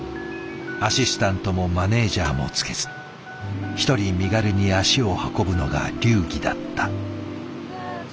アシスタントもマネージャーもつけず一人身軽に足を運ぶのが流儀だった。